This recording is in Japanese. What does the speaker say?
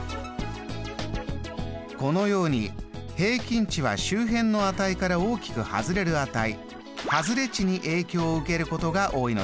このように平均値は周辺の値から大きく外れる値外れ値に影響を受けることが多いのです。